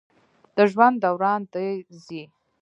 د ژوند دوران د زی